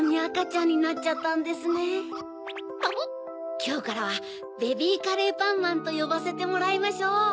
きょうからはベビーカレーパンマンとよばせてもらいましょう。